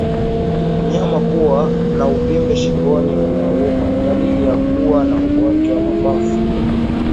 Mnyama kuwa na uvimbe shingoni unaouma ni dalili ya kuwa na ugonjwa wa mapafu